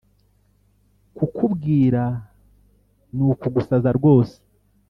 Kukubwira nukugusaza rwose